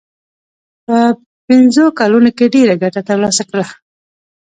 په پنځو کلونو کې ډېره ګټه ترلاسه کړه.